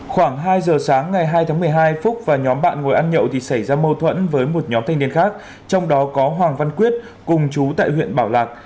khoảng hai giờ sáng ngày hai tháng một mươi hai phúc và nhóm bạn ngồi ăn nhậu thì xảy ra mâu thuẫn với một nhóm thanh niên khác trong đó có hoàng văn quyết cùng chú tại huyện bảo lạc